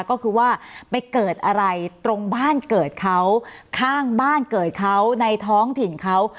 ก็คือว่าไปเกิดอะไรตรงบ้านเกิดเขาข้างบ้านเกิดเขาในท้องถิ่นเขา